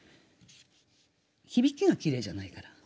響きがきれいじゃないから。